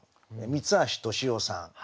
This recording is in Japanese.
三橋敏雄さん。